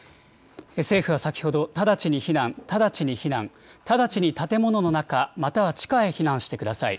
政府は先ほど、直ちに避難、直ちに避難、直ちに建物の中、または地下へ避難してください。